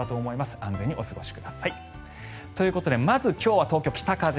安全にお過ごしください。ということでまず今日は東京、北風。